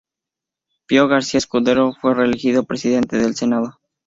Pío García-Escudero fue reelegido presidente del Senado.